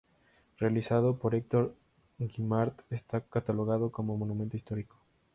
Realizado por Hector Guimard, está catalogado como Monumento Histórico.